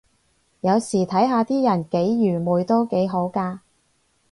有時睇下啲人幾愚昧都幾好咖